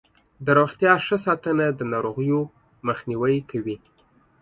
د روغتیا ښه ساتنه د ناروغیو مخنیوی کوي.